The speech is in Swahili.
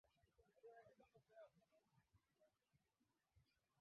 wakati walipokuwa wanazikwa na maafisa wa afya